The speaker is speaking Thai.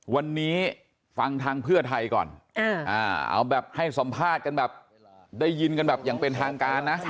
วันนี้ฟังทางเพื่อไทยก่อนเอาแบบให้สัมภาษณ์กันแบบได้ยินกันแบบอย่างเป็นทางการนะ